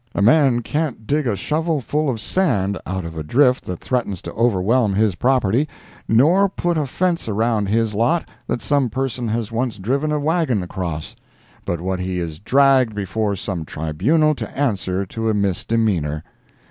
A man can't dig a shovel full of sand out of a drift that threatens to overwhelm his property, nor put a fence around his lot that some person has once driven a wagon across, but what he is dragged before some tribunal to answer to a misdemeanor.